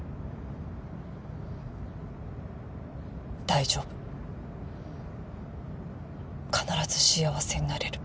大丈夫必ず幸せになれる。